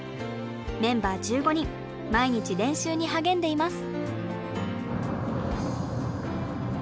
メンバー１５人毎日練習に励んでいます。